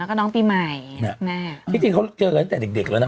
แล้วก็น้องปีใหม่แม่ที่จริงเขาเจอกันตั้งแต่เด็กเด็กแล้วนะ